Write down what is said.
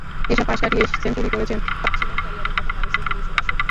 এসব পাশ কাটিয়েই সেঞ্চুরি করেছেন, পাচ্ছিলেন ক্যারিয়ারের প্রথম ডাবল সেঞ্চুরির সুবাসও।